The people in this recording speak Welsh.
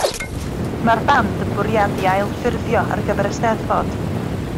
Mae'r band yn bwriadu ailffurfio ar gyfer y Steddfod.